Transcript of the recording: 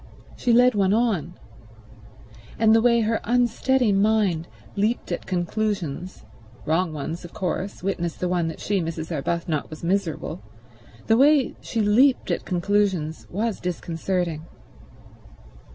She led one on. And the way her unsteady mind leaped at conclusions—wrong ones, of course; witness the one that she, Mrs. Arbuthnot, was miserable—the way she leaped at conclusions was disconcerting.